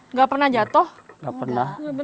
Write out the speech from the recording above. nggak pernah jatuh nggak pernah